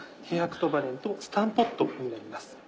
ヘハクトバレンとスタンポットになります。